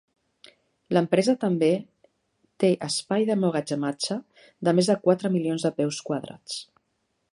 L'empresa també té espai d'emmagatzematge de més de quatre milions de peus quadrats.